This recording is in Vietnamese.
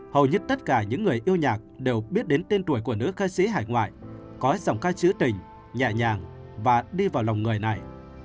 hầu hết tất cả những người yêu nhạc đều biết đến tên tuổi của nữ ca sĩ hải ngoại có dòng ca chứa tình nhẹ nhàng và đi vào lòng người này